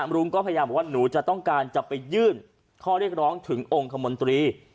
รุงก็พยายามบอกว่าหนูจะต้องการจะไปยื่นข้อเรียกร้องถึงองค์คมนตรี